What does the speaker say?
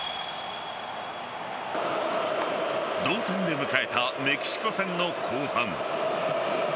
同点で迎えたメキシコ戦の後半。